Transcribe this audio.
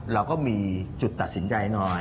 เราก็มีจุดตัดสินใจหน่อย